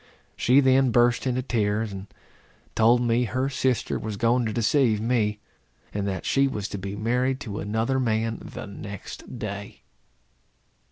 She then burst into tears, and told me her sister was going to deceive me; and that she was to be married to another man the next day.